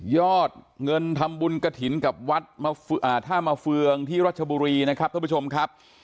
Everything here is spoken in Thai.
อดเงินทำบุญกระถิ่นกับวัดท่ามาเฟืองที่รัชบุรีนะครับท่านผู้ชมครับ